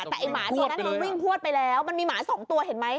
แต่ไอ้หมาตัวนั้นมันวิ่งพวดไปแล้วมันมีหมา๒ตัวเห็นไหม